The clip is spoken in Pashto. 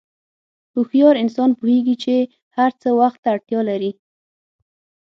هوښیار انسان پوهېږي چې هر څه وخت ته اړتیا لري.